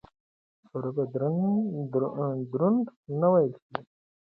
سره به دروند نه وېل شي.